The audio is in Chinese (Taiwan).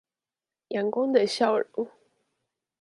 陽光的笑容